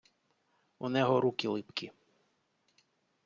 Унего руки липкі.